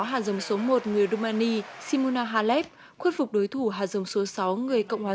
hạt dòng số một người rumani simuna halef khuất phục đối thủ hạt dòng số sáu người cộng hòa